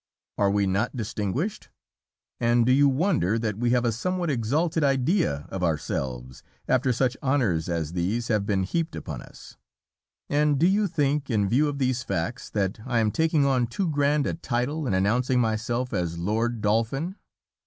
Are we not distinguished? And do you wonder that we have a somewhat exalted idea of ourselves after such honors as these have been heaped upon us? And do you think, in view of these facts, that I am taking on too grand a title in announcing myself as "Lord Dolphin"?